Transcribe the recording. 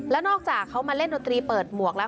แล้วนอกจากเขามาเล่นดนตรีเปิดหมวกแล้ว